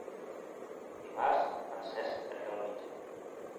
Dimarts en Cesc anirà al metge.